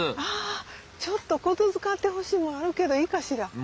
あちょっと言づかってほしいもんあるけどいいかしら？